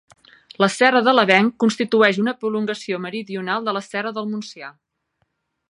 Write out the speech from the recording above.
La serra de l'Avenc constitueix una prolongació meridional de la Serra del Montsià.